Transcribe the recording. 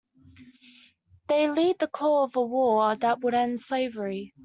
They led the call for a war that would end slavery.